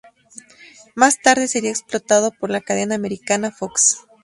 Más tarde sería explotado por la cadena americana Fox.